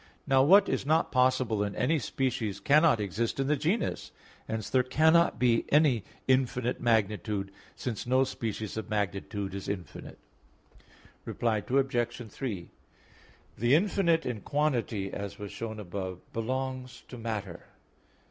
Now what is not possible in any species cannot exist in the genus; hence there cannot be any infinite magnitude, since no species of magnitude is infinite. Reply Obj. 3: The infinite in quantity, as was shown above, belongs to matter.